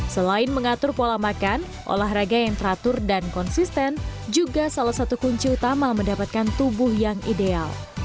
selain mengatur pola makan olahraga yang teratur dan konsisten juga salah satu kunci utama mendapatkan tubuh yang ideal